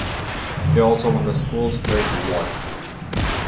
They also won the school spirit award.